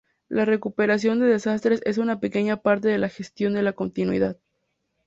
La recuperación de desastres es una pequeña parte de la gestión de la continuidad.